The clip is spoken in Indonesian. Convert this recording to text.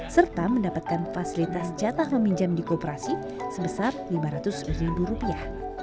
serta mendapatkan fasilitas jatah meminjam di kooperasi sebesar lima ratus ribu rupiah